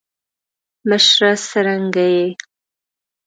مشره څرنګه یی.